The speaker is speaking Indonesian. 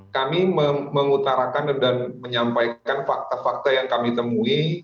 kami mengutarakan dan menyampaikan fakta fakta yang kami temui